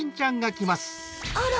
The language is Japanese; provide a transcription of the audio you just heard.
あら？